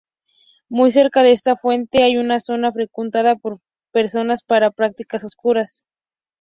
Muy cerca de esta fuente hay una zona frecuentada por personas para prácticas oscuras.